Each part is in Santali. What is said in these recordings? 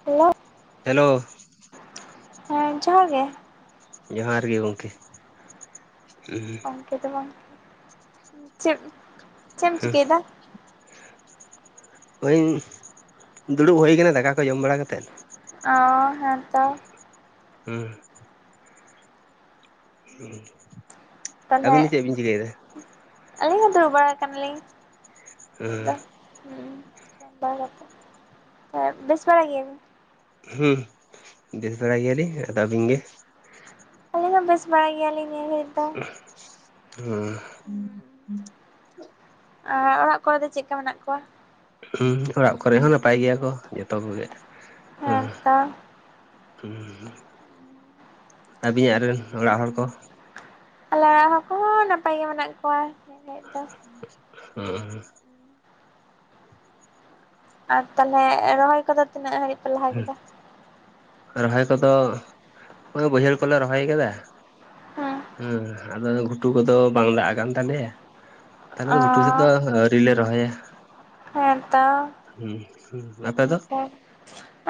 [unintelligible] ᱦᱮᱞᱳ ᱦᱮᱸ ᱡᱚᱦᱟᱨ ᱜᱮ ᱡᱚᱦᱟᱨ ᱜᱮ ᱜᱚᱝᱠᱮ ᱩᱦᱩ ᱠᱮᱫᱚ ᱵᱟᱝ ᱪᱤᱯ ᱦᱮᱸ ᱦᱳᱧ ᱫᱩᱲᱩᱵ ᱦᱳᱭ ᱠᱟᱱᱟ ᱫᱟᱠᱟ ᱠᱚ ᱡᱚᱢ ᱵᱟᱲᱟ ᱠᱟᱛᱮᱜ᱾ ᱚ ᱦᱮᱫ ᱦᱩᱸ ᱦᱩᱸ᱾ ᱛᱟᱦᱞᱮ ᱟᱹᱞᱤᱧ ᱦᱚᱸ ᱫᱩᱲᱩᱵ ᱵᱟᱲᱟ ᱠᱟᱱᱟᱞᱤᱧ᱾ ᱱᱤᱛᱚᱜ ᱫᱚ ᱦᱩᱸ ᱦᱩᱸ ᱵᱟᱝ ᱟᱛᱮ ᱵᱮᱥ ᱵᱟᱲᱟ ᱜᱮᱭᱟᱵᱤᱱ? ᱦᱩᱸ ᱵᱮᱥ ᱵᱟᱲᱟ ᱜᱮᱭᱟᱞᱤᱧ᱾ ᱟᱫᱚ ᱟᱵᱤᱱ ᱜᱮ? ᱟᱞᱤᱧ ᱦᱚ ᱵᱮᱥ ᱵᱟᱲᱟ ᱜᱮᱭᱟᱞᱤᱧ ᱱᱤᱭᱟᱹ ᱜᱷᱟᱹᱨᱤᱡᱽ ᱫᱚ ᱾ ᱦᱩᱸ ᱟ ᱚᱲᱟᱜ ᱠᱚᱨᱮᱜ ᱫᱚ ᱪᱮᱫ ᱠᱟ ᱢᱮᱱᱟᱜ ᱠᱚᱣᱟ? ᱦᱩᱸ ᱚᱲᱟᱜ ᱠᱚᱨᱮᱜ ᱦᱚᱸ ᱱᱟᱯᱟᱭ ᱜᱮᱭᱟ ᱠᱚ ᱡᱷᱚᱛᱚ ᱠᱚᱜᱮ ᱦᱩᱸ᱾ ᱦᱮᱸᱛᱚ ᱦᱩᱸ ᱟᱵᱤᱧᱟᱜ ᱨᱮᱱ ᱚᱲᱟᱜ ᱦᱚᱲ ᱠᱚ? ᱟᱞᱮ ᱚᱲᱟᱜ ᱦᱚᱲ ᱠᱚᱸᱦᱚᱸ ᱱᱟᱯᱟᱭ ᱜᱮ ᱢᱮᱱᱟᱜ ᱠᱚᱣᱟ ᱾ ᱦᱩᱸ ᱟᱨ ᱛᱟᱦᱚᱞᱮ ᱨᱚᱦᱚᱭ ᱠᱚᱫᱚ ᱛᱤᱱᱟᱹᱜ ᱦᱟᱹᱨᱤᱡᱽ? ᱨᱚᱦᱚᱭ ᱠᱚᱫᱚ ᱳᱭ ᱵᱟᱹᱭᱦᱟᱹᱲ ᱠᱚᱞᱮ ᱨᱚᱦᱚᱭ ᱠᱟᱫᱟ᱾ ᱦᱮᱸ ᱦᱩᱸ ᱟᱫᱚ ᱜᱷᱩᱴᱩ ᱠᱚᱫᱚ ᱵᱟᱝ ᱫᱟᱜ ᱠᱟᱱ ᱛᱟᱞᱮᱭᱟ ᱾ ᱛᱟᱦᱚᱞᱮ ᱛᱚ ᱚ ᱜᱷᱩᱴᱩ ᱥᱮᱫᱽ ᱟᱹᱣᱨᱤ ᱨᱚᱦᱚᱭᱟ ᱾ ᱦᱮᱸ ᱛᱚ ᱦᱩᱸ ᱟᱯᱮ ᱫᱚ?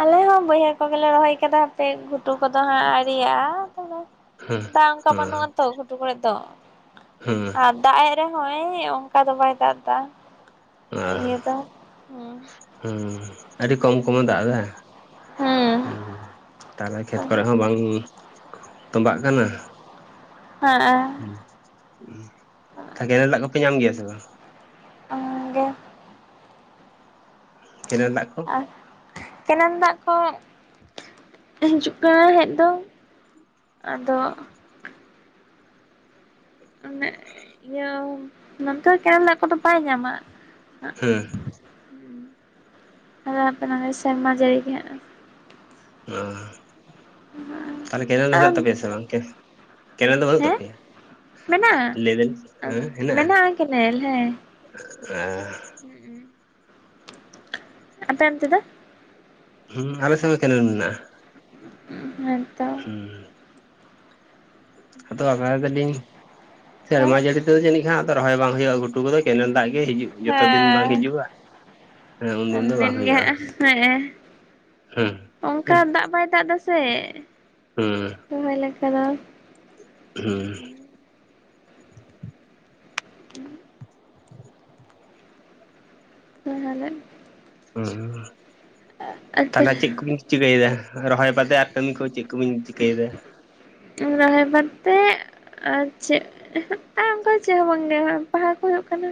ᱟᱞᱮ ᱦᱚᱸ ᱵᱟᱹᱭᱦᱟᱹᱲ ᱠᱚᱜᱮᱞᱮ ᱨᱚᱦᱚᱭ ᱠᱟᱫᱟ ᱦᱟᱯᱮ ᱜᱷᱩᱴᱩ ᱠᱚᱫᱚ ᱦᱟᱸᱜ ᱟᱹᱣᱨᱤᱭᱟᱜᱼᱟ ᱦᱮᱸ ᱾ ᱫᱟᱜ ᱚᱱᱠᱟ ᱵᱟᱹᱱᱩᱜ ᱟᱛᱚ ᱜᱷᱩᱴᱩ ᱠᱚᱨᱮᱜ ᱫᱚ ᱾ ᱦᱩᱸ ᱟᱨ ᱫᱟᱜᱽ ᱮᱜ ᱨᱮᱦᱚᱸᱭ ᱚᱱᱠᱟ ᱫᱚ ᱵᱟᱭ ᱫᱟᱜᱽ ᱫᱟ ᱤᱭᱟᱹ ᱫᱟ ᱦᱩ ᱦᱩᱸ ᱟᱹᱰᱤ ᱠᱚᱢ ᱠᱚᱢ ᱮ ᱫᱟᱜ ᱫᱟᱭ ᱦᱩᱸ᱾ ᱛᱟᱦᱞᱮ ᱠᱷᱮᱛ ᱠᱚᱨᱮ ᱦᱚᱸ ᱵᱟᱝ ᱛᱚᱵᱟᱜ ᱠᱟᱱᱟ᱾ ᱦᱟ ᱟ ᱠᱮᱱᱮᱞ ᱫᱟᱜ ᱠᱚᱯᱮ ᱧᱟᱢ ᱜᱮᱭᱟ ᱥᱮ ᱵᱟ? ᱚᱱᱟᱜᱮ ᱠᱮᱱᱮᱞ ᱫᱟᱜᱽ ᱠᱚ ᱟᱨ ᱠᱮᱱᱮᱞ ᱫᱟᱜᱽ ᱠᱚ ᱦᱤᱡᱩᱜ ᱠᱟᱱᱟᱭ ᱦᱮᱡ ᱫᱚ ᱟᱫᱚ ᱚᱱᱮ ᱤᱭᱟᱹ ᱱᱚᱱᱛᱮ ᱠᱮᱱᱮᱞ ᱫᱟᱜ ᱠᱚᱫᱚ ᱵᱟᱭ ᱧᱟᱢᱟ ᱾ ᱦᱩᱸ ᱟᱞᱮ ᱚᱱᱛᱮ ᱱᱟ ᱥᱮᱨᱢᱟ ᱡᱟ. ᱨᱤ ᱜᱮ ᱦᱟᱜ᱾ ᱚ ᱛᱟᱦᱚᱞᱮ ᱠᱮᱱᱮᱞ ᱫᱚ ᱟᱨ ᱦᱮᱱᱟᱜ ᱛᱟᱯᱮᱭᱟ ᱥᱮ ᱵᱟᱝ ᱞᱮ? ᱠᱮᱱᱮᱞ ᱫᱚ ᱵᱟᱹᱱᱩᱜ ᱦᱮᱸ ᱛᱟᱯᱮᱭᱟ ᱢᱮᱱᱟᱜᱼᱟ ᱞᱟᱹᱭ ᱫᱟᱞᱤᱧ ᱦᱮᱸ ᱦᱮᱱᱟᱜᱼᱟ ᱢᱮᱱᱟᱜᱼᱟ ᱠᱮᱱᱮᱞ ᱦᱮᱸ ᱟ ᱟᱯᱮ ᱚᱱᱛᱮ ᱫᱚ? ᱦᱩᱸᱟᱞᱮᱥᱮᱫ ᱦᱚ ᱠᱮᱱᱮᱞ ᱢᱮᱱᱟᱜᱼᱟ ᱾ ᱦᱮᱸ ᱛᱚ᱾ ᱟᱫᱚ ᱟᱯᱱᱟᱨ ᱠᱟᱫᱤᱧ᱾ ᱦᱮᱸ ᱥᱮᱨᱢᱟ ᱡᱟᱹᱲᱤ ᱛᱮᱫᱚ ᱡᱟᱹᱱᱤᱡ ᱠᱷᱟᱱ ᱟᱫᱚ ᱨᱚᱦᱚᱭ ᱵᱟᱝ ᱦᱳᱭᱳᱜᱼᱟ, ᱜᱷᱩᱴᱩ ᱠᱚᱫᱚ ᱠᱮᱱᱮᱞ ᱫᱟᱜ ᱜᱮ ᱦᱤᱡᱩᱜ ᱡᱚᱛᱚ ᱫᱤᱱ ᱵᱟᱝ ᱦᱮᱸ ᱦᱤᱡᱩᱜᱼᱟ᱾ ᱦᱮᱸ ᱩᱱ ᱫᱤᱱ ᱫᱚ ᱵᱟᱝ ᱫᱤᱱ ᱜᱮ ᱦᱩᱭᱩᱜᱼᱟ ᱦᱮᱸᱮᱜ ᱦᱮᱸ ᱮ᱾ ᱚᱱᱠᱟ ᱫᱟᱜ ᱵᱟᱭ ᱫᱟᱜ ᱫᱟᱥᱮ, ᱦᱩᱸ ᱨᱚᱦᱚᱭ ᱞᱮᱠᱟ ᱫᱚ ᱾ ᱦᱩᱸ᱾ ᱛᱟᱦᱚᱞᱮ? ᱦᱩᱸ᱾ ᱟᱫᱚ ᱛᱟᱦᱚᱞᱮ ᱪᱮᱫ ᱠᱚᱵᱤᱱ ᱪᱤᱠᱟᱹᱭᱮᱫᱟ, ᱨᱚᱦᱚᱭ ᱵᱟᱫᱮ ᱟᱨ ᱠᱟᱹᱢᱤ ᱠᱚ ᱪᱮᱫ ᱠᱩᱵᱤᱧ ᱪᱤᱠᱟᱹᱭᱮᱫᱟ? ᱟᱫᱚ ᱨᱚᱦᱚᱭ ᱵᱟᱨᱛᱮ ᱟᱨ ᱪᱮᱫ, [unintelligible] ᱟᱨ ᱚᱱᱠᱟ ᱪᱮᱫ ᱦᱚᱸ ᱵᱟᱝ ᱜᱮ ᱦᱚᱜ-ᱚᱭ ᱯᱟᱲᱦᱟᱣ ᱠᱚ ᱦᱳᱭᱤᱜ ᱠᱟᱱᱟ᱾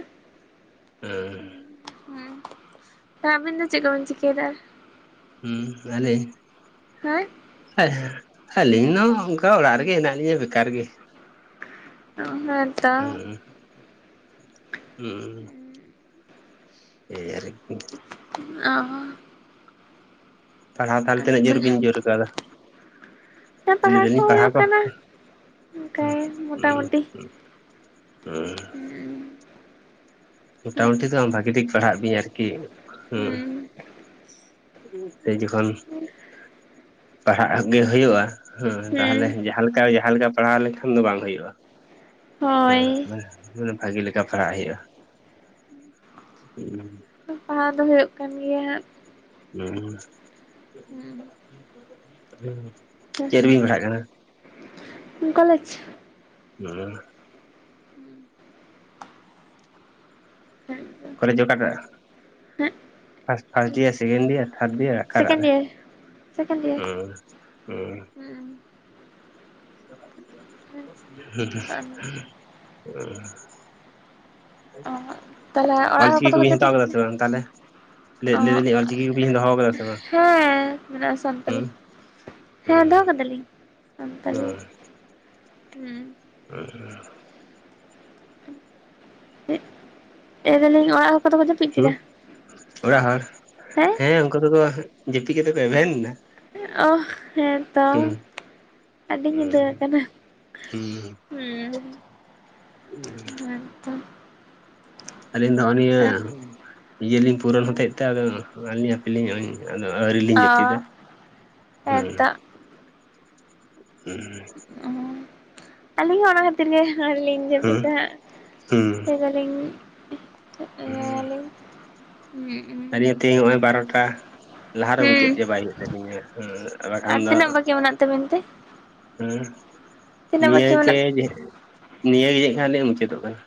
ᱦᱩᱸ᱾ ᱛᱚ ᱟᱵᱤᱱ ᱫᱚ ᱪᱮᱫ ᱠᱚᱵᱤᱱ ᱪᱤᱠᱟᱭᱫᱟ? ᱦᱩᱸ, ᱟᱞᱤᱧ? ᱦᱮᱸ᱾ ᱦᱮᱸ ᱦᱟᱹᱞᱤᱧ ᱱᱚ ᱚᱱᱠᱟ ᱚᱲᱟᱜ ᱨᱮᱜᱮᱢ ᱦᱮᱱᱟᱜ ᱞᱤᱧᱟ ᱵᱮᱠᱟᱨ ᱜᱮ᱾ ᱦᱮᱸ ᱛᱚ᱾ [inaudible] [unintelligible] ᱚ᱾ ᱯᱟᱲᱦᱟᱣ ᱛᱟᱦᱚᱞᱮ ᱛᱤᱱᱟᱹᱜ ᱡᱳᱨ ᱵᱤᱱ ᱟᱪᱪᱷᱟ ᱡᱳᱨ ᱠᱟᱣᱫᱟ? ᱞᱟᱹᱭ ᱫᱟᱞᱤᱧ ᱯᱟᱲᱦᱟᱣ ᱠᱚ ᱚᱱᱠᱟ ᱢᱚᱴᱟᱢᱩᱴᱤ [unintelligible] [inaudible] ᱦᱩᱸ ᱢᱳᱴᱟᱢᱩᱴᱤ ᱫᱚ ᱵᱟᱝ ᱵᱷᱟᱜᱤ ᱴᱷᱤᱠ ᱯᱟᱲᱦᱟᱜ ᱵᱤᱧ ᱟᱨᱠᱤ ᱦᱩᱸ᱾ ᱥᱮᱤ ᱡᱚᱠᱷᱚᱱ ᱯᱟᱲᱦᱟᱜ ᱜᱮ ᱦᱤᱭᱳᱜᱼᱟ᱾ ᱦᱩᱸ, ᱛᱟᱦᱚᱞᱮ ᱡᱟᱦᱟᱸ ᱞᱮᱠᱟ ᱡᱟᱦᱟᱸ ᱞᱮᱠᱟ ᱯᱟᱲᱦᱟᱣ ᱞᱮᱠᱷᱟᱱ ᱫᱚ ᱵᱟᱝ ᱦᱳᱭᱩᱜᱼᱟ᱾ ᱦᱳᱭ ᱦᱮᱸ ᱦᱳᱭ ᱢᱟᱱᱮ ᱵᱷᱟᱜᱮ ᱞᱮᱠᱟ ᱯᱟᱲᱦᱟᱜ ᱦᱳᱭᱩᱜᱼᱟ᱾ [inaudible] ᱯᱟᱲᱦᱟᱣ ᱫᱚ ᱦᱳᱭᱳᱜ ᱠᱟᱱ ᱜᱮᱭᱟ ᱦᱟᱸᱜ᱾ ᱦᱩᱸ, ᱦᱟᱸᱜ ᱪᱮᱫ ᱨᱮᱵᱤᱱ ᱯᱟᱲᱦᱟᱜ ᱠᱟᱱᱟ? ᱦᱩᱸ, ᱠᱚᱞᱮᱡᱽ᱾ [inaudible] ᱦᱮᱸ ᱠᱚᱞᱮᱡᱽ ᱚᱠᱟᱴᱟᱜ? First first year, second year third year? ᱚᱠᱟᱴᱟᱜ ᱥᱮᱠᱮᱱᱰ ᱨᱮ? ᱤᱭᱟᱨ ᱥᱮᱠᱮᱱᱰ ᱤᱭᱟᱨ ᱦᱩᱸ ᱦᱩᱸ᱾ ᱦᱩᱸ [unintelligible] [inaudible] ᱛᱟᱦᱚᱞᱮ ᱚᱲᱟᱜ ᱦᱚᱲ ᱚᱞᱪᱤᱠᱤ ᱠᱚᱫᱚ ᱠᱚ ᱠᱚᱵᱤᱱ ᱦᱟᱛᱟᱣ ᱡᱟᱹᱯᱤᱫ ᱠᱟᱫᱟ ᱥᱮ ᱠᱮᱫᱟ ᱵᱟᱝ ᱛᱟᱦᱚᱞᱮ? ᱞᱟᱹᱭ ᱚ ᱫᱟᱞᱤᱧ ᱚᱞᱪᱤᱠᱤ ᱠᱚᱵᱤᱱ ᱫᱚᱦᱚᱣ ᱟᱠᱟᱫᱟ ᱥᱮ ᱵᱟᱝ? ᱦᱮᱸ ᱢᱮᱱᱥᱜ ᱢᱮᱱᱟ-ᱟᱥ᱾ ᱥᱟᱱᱛᱟᱞᱤ, ᱦᱩᱸ ᱦᱮᱸ ᱫᱚᱦᱚ ᱠᱟᱫᱟᱞᱤᱧ ᱥᱟᱱᱛᱟᱞᱤ, ᱦᱩᱸ᱾ [inaudible] ᱞᱟᱹᱭᱫᱟᱞᱤᱧ ᱚᱲᱟᱜ ᱠᱚᱫᱚ ᱠᱚ ᱡᱟᱹᱯᱤᱫ ᱦᱩᱸ ᱠᱮᱫᱟ? ᱚᱲᱟᱜ ᱦᱚᱲ, ᱦᱮᱸ ᱩᱱᱠᱩ ᱫᱚᱠᱚ ᱡᱟᱹᱯᱤᱫ ᱠᱟᱛᱮᱜ ᱠᱚ ᱮᱵᱷᱮᱱᱮᱱᱟ᱾ ᱚᱦ ᱦᱮᱸ ᱛᱚ, ᱟᱹᱰᱤ ᱧᱤᱫᱟᱹ ᱟᱠᱟᱱᱟ᱾ ᱦᱩᱸ [unintelligible] ᱮᱠᱫᱚᱢ ᱟᱹᱞᱤᱧ ᱫᱚ ᱱᱚᱜ ᱱᱤᱭᱟᱹ ᱤᱭᱟᱹ ᱞᱤᱧ ᱯᱩᱨᱚᱱ ᱦᱚᱛᱮᱫ ᱛᱮ ᱟᱫᱚ ᱟᱹᱞᱤᱧ ᱟᱹᱞᱤᱧ [unintelligible] ᱟᱫᱚ ᱟᱹᱣᱨᱤ ᱞᱤᱧ ᱟ ᱡᱟᱹᱯᱤᱫᱟ ᱾ ᱦᱩᱸ ᱮᱫᱟᱜ ᱾ ᱦᱩᱸ ᱾ ᱟᱹᱞᱤᱧ ᱦᱚᱸ ᱚᱱᱟ ᱠᱷᱟᱹᱛᱤᱨ ᱜᱮ ᱟᱹᱣᱨᱤᱞᱤᱧ ᱦᱩᱸ ᱡᱟᱹᱯᱤᱫᱟ ᱦᱟᱸᱜ ᱦᱩᱸ ᱞᱟᱹᱭᱫᱟᱞᱤᱧ ᱦᱩᱸ ᱟᱞᱤᱧ ᱦᱚᱸ ᱛᱤᱦᱤᱧ ᱦᱚᱜᱼᱚᱭ ᱵᱟᱨᱚᱴᱟ ᱞᱟᱦᱟ ᱨᱮ ᱦᱩᱸ ᱢᱩᱪᱟᱹᱫ ᱪᱟᱵᱟᱭ ᱦᱩᱭᱩᱜ ᱛᱟᱹᱞᱤᱧᱟ, ᱵᱟᱠᱷᱟᱱ ᱟᱨ ᱫᱚ ᱛᱤᱱᱟᱹᱜ ᱵᱟᱹᱠᱤ ᱢᱮᱱᱟᱜ ᱛᱟᱵᱤᱱ ᱛᱮ ᱦᱩᱸ, ᱛᱤᱱᱟᱹᱜ ᱵᱟᱹᱠᱤ ᱱᱤᱭᱟᱹᱜᱮ ᱢᱮᱱᱟᱜ [inaudible] ᱱᱤᱭᱟᱹᱜᱮ ᱡᱟᱱᱤᱡ ᱠᱷᱚᱱ [inaudible] ᱢᱩᱪᱟᱹᱫᱚᱜ ᱠᱟᱱᱟ᱾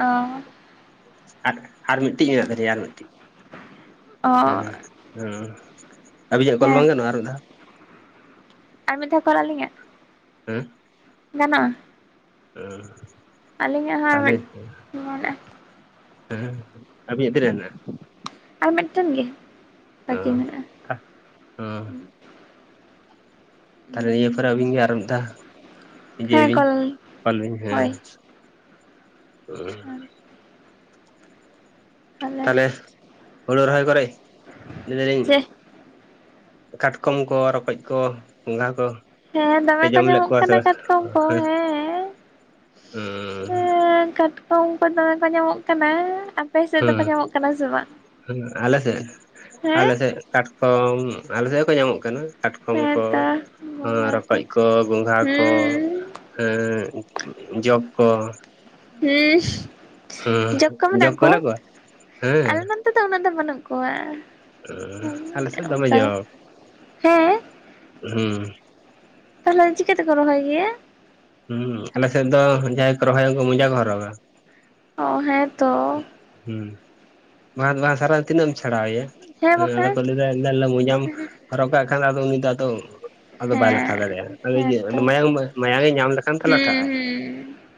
ᱚ ᱟᱨ ᱟᱨ ᱢᱤᱫᱴᱤᱡ ᱢᱮᱱᱟᱜ ᱛᱟᱞᱤᱧᱟ ᱟᱨ ᱢᱤᱫᱴᱤᱡ᱾ ᱚ ᱦᱮᱸ ᱦᱮᱸ ᱟᱹᱵᱤᱧᱟᱜ ᱠᱚᱞ ᱦᱮᱸ ᱵᱟᱝ ᱜᱟᱱᱚᱜᱼᱟ ᱟᱨ ᱢᱤᱫ ᱫᱷᱟᱣ? ᱟᱨ ᱢᱤᱫ ᱫᱷᱟᱣ ᱠᱚᱞ ᱟᱹᱞᱤᱧᱟᱜ ᱦᱮᱸ ᱾ ᱜᱟᱱᱚᱜᱼᱟ ᱾ ᱦᱚᱸ ᱟᱨ ᱛᱟᱦᱚᱞᱮ ᱢᱤᱫ ᱢᱮᱱᱟᱜᱼᱟ ᱦᱮᱸ ᱟᱵᱤᱱᱟᱜ ᱛᱤᱱᱟᱹᱜ ᱦᱮᱱᱟᱜᱼᱟ? ᱟᱨ ᱢᱤᱫᱴᱮᱱ ᱜᱮ ᱾ ᱚᱸ [inaudible] ᱦᱩᱸ ᱾ ᱛᱟᱦᱚᱞᱮ ᱱᱤᱭᱟᱹ ᱯᱚᱨᱮ ᱟᱹᱵᱤᱱ ᱜᱮ ᱟᱨ ᱢᱤᱫ ᱫᱷᱟ ᱤᱡᱟᱹᱭ ᱦᱮᱸ ᱵᱤᱱ ᱠᱚᱞ ᱠᱚᱞ ᱵᱤᱱ ᱦᱮᱸ ᱦᱳᱭ ᱾ [inaudible] ᱛᱟᱦᱚᱞᱮ ᱛᱟᱦᱞᱮ ᱦᱳᱲᱳ ᱨᱚᱦᱚᱭ ᱠᱚᱨᱮ ᱞᱟᱹᱭ ᱫᱟᱞᱤᱧ ᱪᱮ ᱠᱟᱴᱠᱚᱢ ᱠᱚ ᱨᱚᱠᱚᱡ ᱠᱚ ᱜᱚᱸᱜᱷᱟ ᱠᱚ ᱦᱮᱸ ᱯᱮ ᱫᱚᱢᱮ ᱠᱚ ᱡᱚᱢ ᱞᱮᱫ ᱧᱟᱢᱚᱜ ᱠᱚᱣᱟ ᱥᱮ ᱠᱟᱱᱟ ᱵᱟᱝ ᱠᱟᱴᱠᱚᱢ ᱠᱚ ᱦᱮᱸᱻ ᱦᱩᱸᱻ ᱛᱚ ᱩᱝᱠᱩ ᱫᱚᱢᱮ ᱠᱚ ᱧᱟᱢᱚᱜ ᱠᱟᱱᱟ ᱾ ᱦᱩᱸ, ᱟᱞᱮ ᱥᱮᱜ ᱦᱮᱸ ᱟᱞᱮ ᱥᱮᱜ ᱠᱟᱴᱠᱚᱢ ᱟᱞᱮ ᱥᱮᱫ ᱦᱚᱸ ᱠᱚ ᱧᱟᱢᱚᱜ ᱠᱟᱱᱟ ᱠᱟᱴᱠᱚᱢ ᱠᱚ ᱦᱮᱸᱛᱚ ᱨᱚᱠᱚᱡ ᱠᱚ ᱜᱚᱸᱜᱷᱟ ᱠᱚ ᱦᱩᱸ ᱦᱮᱸ ᱡᱚᱸᱠ ᱠᱚ ᱾ ᱤᱥᱻ ᱡᱚᱜ ᱠᱚ ᱢᱮᱱᱟᱜ ᱠᱚᱣᱟ! ᱟᱞᱮ ᱦᱮᱸ ᱫᱚ ᱱᱚᱛᱮ ᱫᱚ ᱩᱱᱟᱹᱜ ᱫᱚ ᱵᱟᱹᱱᱩᱜ ᱠᱚᱣᱟ᱾ ᱟᱞᱮ ᱥᱮᱜ ᱫᱚᱢᱮ ᱚᱱᱠᱟ ᱫᱚ ᱡᱚᱸᱠ, ᱦᱮᱸ ᱦᱩᱸ ᱾ ᱛᱟᱦᱚᱞᱮ ᱫᱚ ᱪᱤᱠᱟᱹᱛᱮᱠᱚ ᱨᱚᱦᱚᱭ ᱜᱮᱭᱟ? ᱦᱩᱸ ᱟᱞᱮ ᱥᱮᱫ ᱫᱚ ᱡᱟᱦᱟᱸᱭ ᱠᱚ ᱨᱚᱦᱚᱭᱟ ᱩᱝᱠᱩ ᱢᱩᱡᱟ ᱠᱚ ᱦᱚᱨᱚᱜᱟ ᱾ ᱚ, ᱦᱮᱸ ᱛᱚ ᱾ ᱦᱮᱸ, ᱵᱟᱠᱷᱟᱱ ᱫᱚ ᱵᱟᱝ ᱥᱟᱨᱟ ᱛᱤᱱᱟᱹᱜ ᱮᱢ ᱪᱷᱟᱲᱟᱣᱮᱭᱟ? ᱦᱮᱸ ᱟᱫᱚ ᱠᱚ ᱞᱟᱹᱭ [unintelligible] ᱢᱚᱡᱟᱢ ᱦᱚᱨᱚᱜ ᱠᱟᱜ ᱠᱷᱟᱱᱫᱚ ᱟᱫᱚ ᱩᱱᱤ ᱫᱚ ᱟᱫᱚ ᱟᱫᱚ ᱵᱟᱭ ᱞᱟᱴᱷᱟ ᱦᱮᱸ ᱫᱟᱲᱮᱭᱟᱜᱼᱟ᱾ ᱟᱫᱚ ᱤᱭᱟᱹ ᱦᱮᱸᱛᱚ ᱢᱟᱭᱟᱝ ᱢᱟᱭᱟᱝ ᱮ ᱧᱟᱢ ᱞᱮᱠᱷᱟᱱ ᱛᱚ ᱴᱷᱟᱜ ᱦᱩᱸ ᱟᱭ ᱾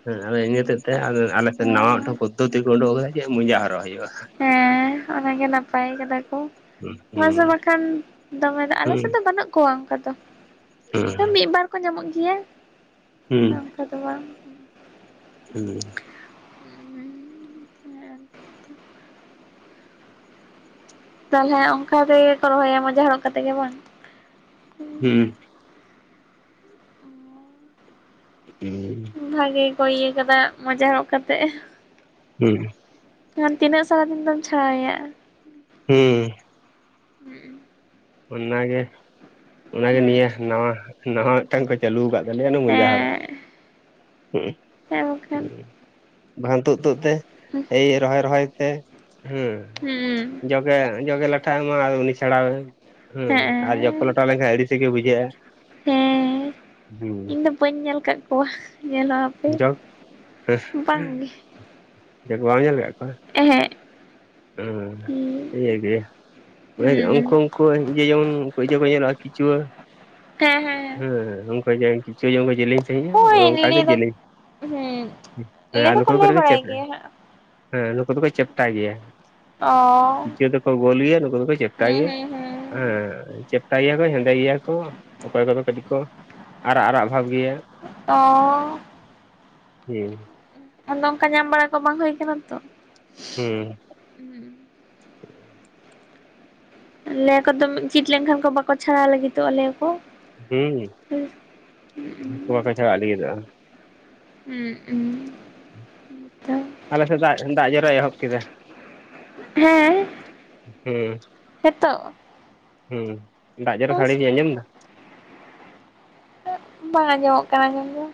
ᱦᱮᱸ ᱟᱫᱚ ᱤᱱᱟᱹ ᱦᱚᱛᱮᱡ ᱛᱮ ᱟᱫᱚ ᱟᱞᱮᱥᱮᱱ ᱱᱟᱣᱟ ᱦᱩᱸ ᱢᱤᱫᱴᱮᱱ ᱯᱚᱫᱽᱫᱷᱚᱛᱤ ᱠᱚ ᱩᱰᱩᱜ ᱠᱟᱫᱟ ᱡᱮ ᱢᱚᱡᱟ ᱦᱚᱨᱚᱜ ᱦᱩᱭᱩᱜᱼᱟ᱾ ᱦᱮᱸ ᱚᱱᱟᱜᱮ ᱱᱟᱯᱟᱭ ᱠᱟᱫᱟ ᱠᱚ, ᱦᱩᱸ ᱢᱟᱥᱮ ᱵᱟᱠᱷᱟᱱ ᱫᱚᱢᱮ ᱫᱚ ᱟᱞᱮ ᱥᱮᱫ ᱫᱚ ᱵᱟᱹᱱᱩᱜ ᱠᱚᱣᱟ ᱚᱝᱠᱟ ᱫᱚ ᱾ ᱦᱮᱸ᱾ ᱦᱮᱸ ᱢᱤᱫ ᱵᱟᱨ ᱠᱚ ᱧᱟᱢᱚᱜ ᱜᱮᱭᱟ᱾ ᱦᱩᱸ᱾ ᱚᱝᱠᱟ ᱫᱚ ᱵᱟᱝ ᱾ ᱦᱮᱸ᱾ ᱛᱟᱦᱚᱞᱮ ᱚᱝᱠᱟ ᱛᱮᱜᱮ ᱠᱚ ᱨᱚᱦᱚᱭᱟ ᱢᱚᱡᱮ ᱦᱚᱨᱚᱜ ᱠᱟᱛᱮ ᱜᱮ ᱵᱟᱝ? ᱦᱮᱸ᱾ [inaudible] ᱵᱷᱟᱜᱮ ᱜᱮᱠᱚ ᱤᱭᱟᱹ ᱠᱟᱫᱟ ᱢᱚᱡᱟ ᱦᱚᱨᱟᱜ ᱠᱟᱛᱮᱜ᱾ ᱦᱮᱸ᱾ ᱠᱷᱟᱱ ᱛᱤᱱᱟᱹᱜ ᱥᱟᱨᱟ ᱫᱤᱱ ᱫᱚᱢ ᱪᱷᱟᱲᱟᱣᱮᱭᱟ? ᱦᱩᱸ᱾ ᱦᱩᱸᱜ-ᱩᱸ᱾ ᱚᱱᱟᱜᱮ ᱚᱱᱟᱜᱮ ᱱᱤᱭᱟᱹ ᱱᱟᱣᱟ ᱱᱟᱣᱟ ᱢᱤᱫᱴᱟᱝ ᱠᱚ ᱪᱟᱹᱞᱩ ᱟᱠᱟᱫ ᱛᱟᱞᱮᱭᱟ ᱚᱱᱟ ᱢᱚᱡᱟ ᱦᱚᱨᱚᱜ᱾ ᱦᱮᱸ ᱦᱮᱸ ᱵᱟᱠᱷᱟᱱ᱾ ᱵᱟᱠᱷᱟᱱ ᱛᱳᱫ ᱛᱳᱫ ᱛᱮ᱾ [inaudible] ᱮᱭ ᱨᱚᱦᱚᱭ ᱨᱚᱦᱚᱭ ᱛᱮ ᱦᱩᱸ, ᱦᱮᱸ ᱡᱚᱜᱮ ᱡᱚᱜᱮ ᱞᱟᱴᱷᱟ ᱟᱢᱟ ᱟᱫᱚ ᱩᱱᱤ ᱪᱷᱟᱲᱟᱣᱮᱢ᱾ ᱦᱩᱸ ᱟᱨ ᱡᱚᱠ ᱠᱚ ᱦᱮᱸ ᱞᱚᱴᱟᱣ ᱞᱮᱱᱠᱷᱟᱡ ᱟᱹᱲᱤ ᱥᱮᱜᱮ ᱵᱩᱡᱷᱟᱹᱜᱼᱟ᱾ ᱦᱮᱸ ᱤᱧ ᱦᱮᱸ ᱫᱚ ᱵᱟᱹᱧ ᱧᱮᱞ ᱟᱠᱟᱜ ᱠᱚᱣᱟ ᱧᱮᱞ ᱦᱚᱸ᱾ ᱦᱟᱯᱮ ᱡᱚᱠ, ᱵᱟᱝᱜᱮ ᱡᱚᱠ ᱵᱟᱢ ᱧᱮᱞ ᱠᱟᱜ ᱠᱚᱣᱟ? ᱮᱸ-ᱦᱮᱸᱜ᱾ ᱚ [inaudible] [inaudible] ᱦᱩᱸ ᱩᱱᱠᱩ ᱩᱱᱠᱩ ᱤᱭᱟᱹ ᱡᱮᱢᱚᱱ ᱤᱭᱟᱹ ᱠᱚ ᱧᱮᱞᱚᱜᱼᱟ ᱠᱤᱪᱩᱣᱟᱹ᱾ ᱦᱮᱸ ᱦᱮᱸ ᱩᱱᱠᱩ ᱡᱮ ᱠᱤᱪᱣᱟᱹ ᱡᱮᱢᱚᱱ ᱠᱚ ᱡᱮᱞᱮᱧ ᱥᱟᱹᱦᱤᱡ-ᱟ ᱚᱱᱮ ᱦᱳᱭ ᱚᱱᱠᱟᱜᱮ ᱞᱟᱹᱭ ᱫᱚ ᱡᱮᱞᱮᱧ᱾ ᱦᱩᱸ ᱦᱮᱸ ᱞᱟᱹᱭ ᱟᱨ ᱱᱩᱠᱩ ᱫᱚᱠᱚ ᱫᱚ ᱞᱟᱹᱭ ᱠᱟᱴᱤᱡ ᱠᱚ ᱪᱮᱯ, ᱵᱟᱲᱟᱭ ᱜᱮᱭᱟ ᱦᱟᱸᱜ ᱦᱮᱸ ᱱᱩᱠᱩ ᱫᱚᱠᱚ ᱪᱮᱯᱴᱟ ᱜᱮᱭᱟ᱾ ᱚ ᱠᱤᱪᱣᱟᱹ ᱫᱚᱠᱚ ᱜᱳᱞ ᱜᱮᱭᱟ ᱱᱩᱠᱩ ᱫᱚᱠᱚ ᱪᱮᱯᱴᱟ ᱦᱩᱸ ᱜᱮᱭᱟᱢ, ᱦᱩᱸ ᱦᱩᱸ ᱦᱮᱸ ᱪᱮᱯ ᱴᱟ ᱜᱮᱭᱟ ᱠᱚ ᱦᱮᱸᱫᱮ ᱜᱮᱭᱟ ᱠᱚ ᱚᱠᱚᱭ ᱠᱚᱫᱚ ᱠᱟᱹᱴᱤᱡ ᱠᱚ ᱟᱨᱟᱜ ᱟᱨᱟᱜ ᱚᱵᱷᱟᱵᱽ ᱜᱮᱭᱟ᱾ ᱚᱻ [inaudible] ᱟᱫᱚ ᱚᱱᱠᱟ ᱧᱟᱢ ᱵᱟᱲᱟ ᱠᱚ ᱵᱟᱝ ᱦᱩᱭ ᱠᱟᱱᱟ ᱛᱚ᱾ ᱦᱩᱸ᱾ ᱞᱮᱭᱟ ᱠᱚ ᱫᱚᱢᱮ ᱪᱤᱴ ᱞᱮᱱᱠᱷᱟᱱ ᱠᱚ ᱵᱟᱠᱚ ᱪᱷᱟᱲᱟᱣ ᱞᱟᱹᱜᱤᱫᱚᱜᱼᱟ ᱞᱮᱭᱟ ᱠᱚ᱾ ᱦᱩᱸ, ᱩᱱᱠᱩ ᱵᱟᱠᱚ ᱪᱷᱟᱲᱟᱜ ᱞᱟᱹᱜᱤᱫᱚᱜᱼᱟ᱾ ᱦᱩᱸ [inaudible] [inaudible] ᱟᱞᱮ ᱥᱮᱫ ᱫᱟᱜ ᱫᱟᱜ ᱡᱚᱨᱚᱭ ᱮᱦᱚᱵ ᱠᱮᱫᱟ, ᱦᱩᱸ᱾ ᱦᱮᱛᱳᱜ? ᱦᱩᱸ, ᱫᱟᱜ ᱡᱚᱨ ᱥᱟᱲᱮ ᱵᱤᱧ ᱟᱸᱡᱚᱢ ᱫᱟ? ᱵᱟᱝ ᱟᱸᱡᱚᱢᱚᱜ ᱠᱟᱱᱟ ᱟᱸᱡᱚᱢ ᱫᱚ᱾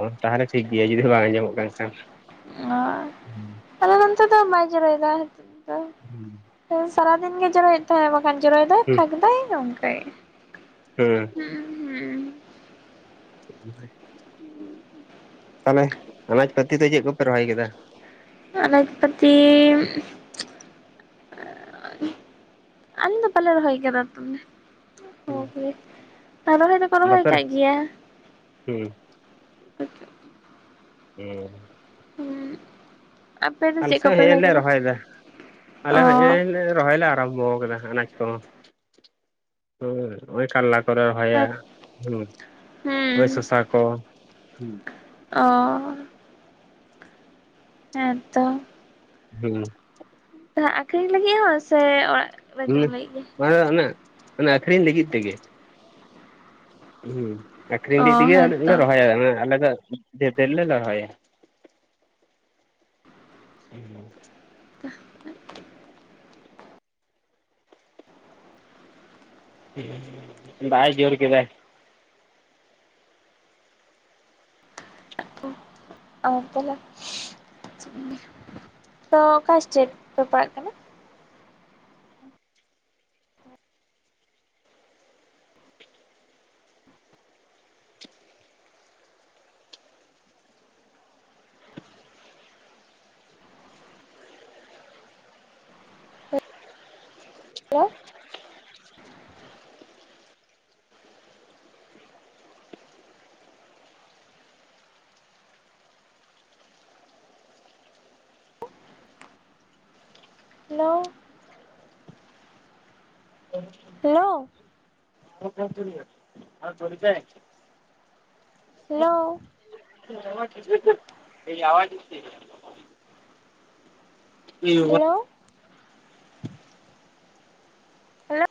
ᱚ ᱛᱟᱦᱚᱞᱮ ᱴᱷᱤᱠ ᱜᱮᱭᱟ ᱡᱩᱫᱤ ᱵᱟᱝ ᱟᱸᱡᱚᱢᱚᱜ ᱠᱟᱱ ᱠᱷᱟᱱ᱾ ᱚ ᱟᱞᱮ ᱫᱚ ᱱᱚᱛᱮ ᱫᱚ ᱵᱟᱭ ᱡᱚᱨᱚᱭ ᱫᱟ ᱦᱤᱛᱳᱜ ᱫᱚ᱾ ᱦᱩᱸ᱾ ᱦᱮᱸ ᱥᱟᱨᱟᱫᱤᱱ ᱜᱮ ᱡᱚᱨᱚᱭᱮᱫ ᱛᱟᱦᱮᱸᱜ ᱵᱟᱠᱷᱟᱱ ᱡᱚᱨᱚᱭ ᱫᱟᱭ ᱯᱷᱟᱸᱠ ᱫᱟᱭ ᱚᱝᱠᱟᱭ᱾ ᱦᱩᱸ᱾ [inaudible] ᱛᱟᱦᱚᱞᱮ ᱟᱱᱟᱡ ᱯᱟᱹᱛᱤ ᱫᱚ ᱪᱮᱫ ᱠᱚᱯᱮ ᱨᱚᱦᱚᱭ ᱠᱮᱫᱟ? ᱟᱱᱟᱡ ᱯᱟᱛᱤᱻ ᱟᱞᱤᱧ ᱫᱚ ᱵᱟᱞᱮ ᱨᱚᱦᱚᱭ ᱠᱟᱫᱟ [inaudible] ᱟᱨ ᱨᱚᱦᱚᱭ ᱫᱚᱠᱚ ᱨᱚᱦᱚᱭ ᱵᱟᱯᱮ ᱠᱟᱜ ᱜᱮᱭᱟ᱾ ᱦᱩᱸ᱾ [inaudible] ᱦᱮᱸ᱾ ᱦᱩᱸ ᱟᱯᱮ ᱫᱚ ᱪᱮᱫ ᱟᱞᱮᱥᱮᱫ ᱠᱚᱯᱮ ᱦᱮᱡ ᱮᱞ ᱞᱮ ᱠᱟᱫᱟ ᱨᱚᱦᱚᱭ ᱫᱟ ᱟᱞᱮ ᱚ ᱦᱚᱸ ᱦᱮ ᱞᱮ ᱨᱚᱦᱚᱭ ᱞᱮ ᱟᱨᱟᱢᱵᱷᱚ ᱟᱠᱟᱫᱟ᱾ ᱦᱩᱸ [inaudible] [unintelligible] ᱚᱻ ᱦᱮᱸᱛᱚ᱾ ᱦᱮᱸ [inaudible] ᱟᱠᱷᱨᱤᱧ ᱞᱟᱜᱤᱫ ᱦᱚᱸ ᱥᱮ ᱚᱲᱟᱜᱼᱼ ᱦᱮᱸ ᱚᱱᱟ ᱚᱱᱟᱮ ᱟᱠᱠᱷᱨᱤᱧ ᱞᱟᱹᱜᱤᱫ ᱛᱮᱜᱮ [inaudible] ᱟᱠᱷᱨᱤᱧ ᱚ ᱞᱟᱹᱜᱤᱫ ᱛᱮᱜᱮ ᱞᱮ ᱦᱮᱸᱛᱚ ᱨᱚᱦᱚᱭᱟ ᱟᱞᱮ ᱫᱚ ᱰᱷᱮᱨ ᱰᱷᱮᱨᱞᱮ ᱨᱚᱦᱚᱭᱟ᱾ ᱦᱩᱸ [inaudible] ᱦᱸ ᱫᱟᱭ ᱡᱮ ᱠᱮᱫᱮᱫ [inaudible] ᱟ ᱛᱚ ᱚᱠᱟ ᱥᱴᱮᱴ ᱯᱮ ᱯᱟᱲᱟᱜ ᱠᱟᱱᱟ? Hello, hello, hello [unintelligible] hello [unintelligible] [unintelligible] hello hello,